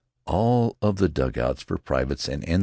All of the dugouts for privates and N.